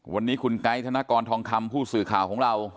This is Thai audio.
วันนี้คุณไกด์ธนกรทองคำผู้สื่อข่าวของเรา